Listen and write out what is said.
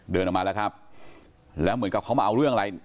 เดินออกมาแล้วครับแล้วเหมือนกับเขามาเอาเรื่องอะไร